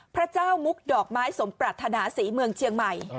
พระเจ้ามุกดอกไม้สมปรัฐนาศรีเมืองเชียงใหม่